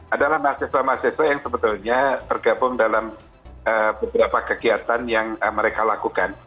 adalah mahasiswa mahasiswa yang sebetulnya tergabung dalam beberapa kegiatan yang mereka lakukan